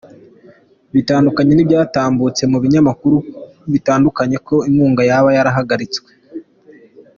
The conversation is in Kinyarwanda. Bitandukanye n’ibyatambutse mu binyamakuru bitandukanye ko inkunga yaba yarahagaritswe.